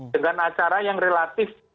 dengan acara yang relatif